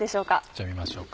じゃあ見ましょうか。